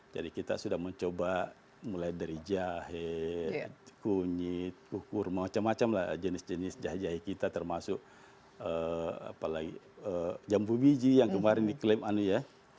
jadi kita sudah mencoba mulai dari jahe kunyit kukur macam macamlah jenis jenis jahe jahe kita termasuk apa lagi jamu biji yang kemarin diklaim anu ya